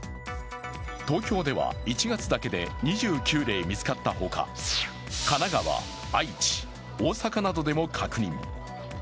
東京では１月だけで２９例見つかったほか神奈川、愛知、大阪などでも確認。